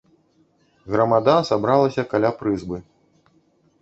Грамада сабралася каля прызбы.